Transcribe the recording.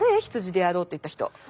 羊でやろうって言った人。